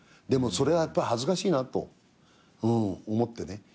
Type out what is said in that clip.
でもそれはやっぱり恥ずかしいなと思ってね。